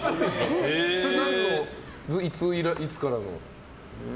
それは何のいつからの？